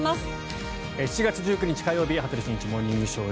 ７月１９日、火曜日「羽鳥慎一モーニングショー」。